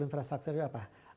infrastruktur sosial itu apa